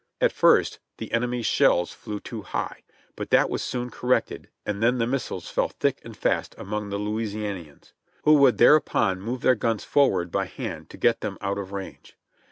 At first the enemy's shell flew too high, but that was soon corrected, and then the mis siles fell thick and fast among the Louisianians, who would there upon move their guns forward by hand to get them out of range.